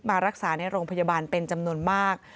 มารักษาในโรงพยาบาลเป็นจำนวนมาก